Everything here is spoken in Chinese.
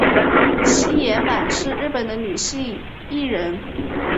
星野满是日本的女性艺人。